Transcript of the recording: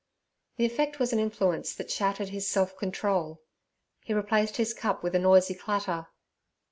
The effect was an influence that shattered his self control. He replaced his cup with a noisy clatter.